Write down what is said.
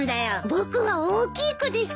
僕は大きい子ですか？